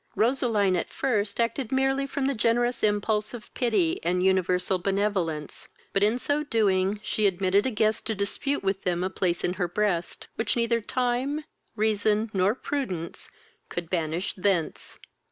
Roseline as first acted merely from the generous impulse of pity and universal benevolence; but, in so doing, she admitted a guest to dispute with them a place in her breast, which neither time, reason, nor prudence, could banish thence.